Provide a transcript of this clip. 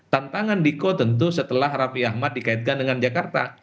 tantangan diko tentu setelah raffi ahmad dikaitkan dengan jakarta